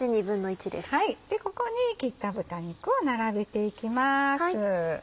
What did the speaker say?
ここに切った豚肉を並べていきます。